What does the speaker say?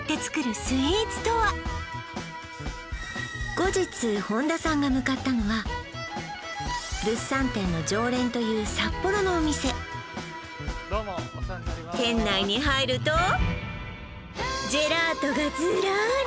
後日本田さんが向かったのは物産展の常連という札幌のお店店内に入るとジェラートがズラリ！